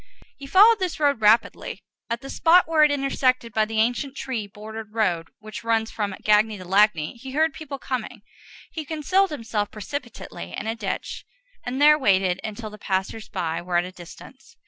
He followed this road rapidly. At the spot where it is intersected by the ancient tree bordered road which runs from Gagny to Lagny, he heard people coming. He concealed himself precipitately in a ditch, and there waited until the passers by were at a distance.